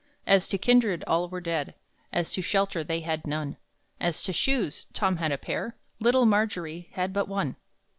As to kindred, all were dead; As to shelter, they had none; As to shoes, Tom had a pair; Little Margery had but one!